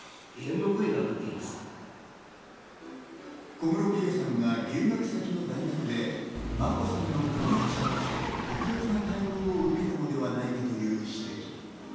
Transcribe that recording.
小室圭さんが留学先の大学で眞子さんの婚約者として特別な待遇を受けたのではないかという指摘。